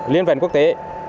liên vận quốc tế